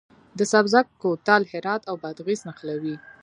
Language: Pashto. د سبزک کوتل هرات او بادغیس نښلوي